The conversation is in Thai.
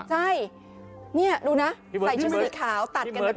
ใช่นี่ดูนะใส่ชุดสีขาวตัดกันแบบนี้